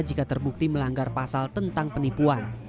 jika terbukti melanggar pasal tentang penipuan